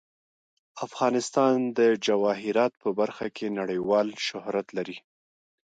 افغانستان د جواهرات په برخه کې نړیوال شهرت لري.